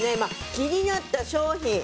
気になった商品